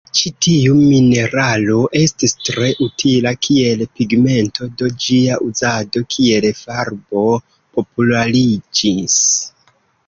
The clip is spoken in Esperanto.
Ĉi tiu mineralo estis tre utila kiel pigmento, do ĝia uzado kiel farbo populariĝis.